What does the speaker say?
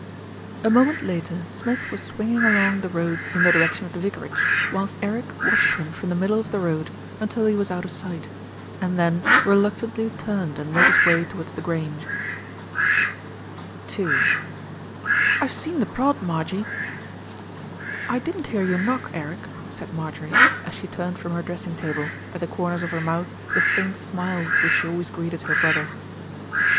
A moment later, Smith was swinging along the road in the direction of the vicarage, whilst Eric watched him from the middle of the road until he was out of sight, and then reluctantly turned and made his way towards The Grange. II "I've seen the prod, Marjie." "I didn't hear you knock, Eric," said Marjorie, as 124 THE RETURN OF ALFRED she turned from her dressing table, at the corners of her mouth the faint smile with which she always greeted her brother.